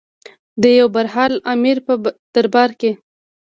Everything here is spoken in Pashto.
د یو برحال امیر په دربار کې.